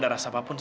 aku mau pergi